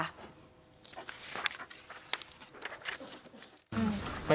ย้อมค่ะ